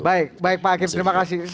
baik baik pak akhir terima kasih